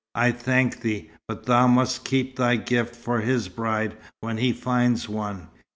"I thank thee; but thou must keep thy gift for his bride when he finds one."